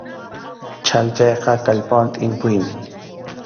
Chhallchayqa kallpawan tʼimpuymi.